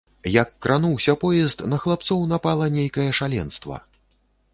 Як крануўся поезд, на хлапцоў напала нейкае шаленства.